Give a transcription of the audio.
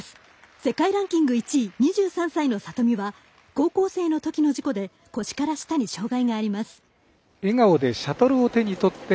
世界ランキング１位２３歳の里見は高校生のときの事故で腰から下に障がいがあります。